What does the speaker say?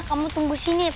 kamu tunggu sini